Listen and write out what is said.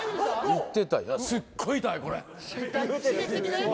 すごい痛い、これ。